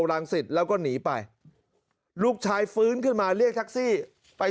รังสิตแล้วก็หนีไปลูกชายฟื้นขึ้นมาเรียกแท็กซี่ไป